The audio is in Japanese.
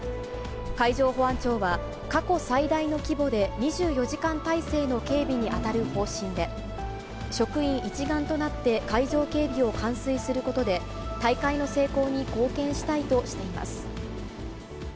海上保安庁は過去最大の規模で、２４時間体制の警備に当たる方針で、職員一丸となって海上警備を完遂することで、大会の成功に貢献したいとしています。